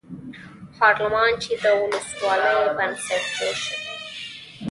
پارلمان چې د ولسواکۍ بنسټ دی جوړ شو.